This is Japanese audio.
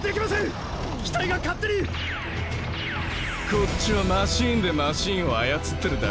こっちはマシンでマシンを操ってるだけだ。